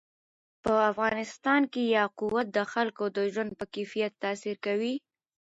په افغانستان کې یاقوت د خلکو د ژوند په کیفیت تاثیر کوي.